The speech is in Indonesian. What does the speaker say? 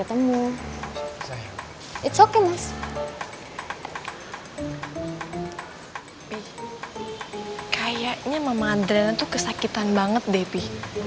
tapi kayaknya mama adriana tuh kesakitan banget deh pi